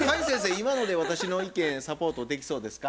今ので私の意見サポートできそうですか？